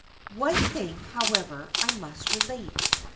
One thing, however, I must relate.